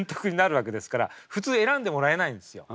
普通選んでもらえないんですよ。